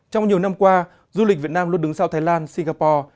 trong nhiều năm qua du lịch việt nam luôn đứng sau thái lan singapore